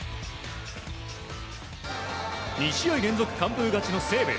２試合連続完封勝ちの西武。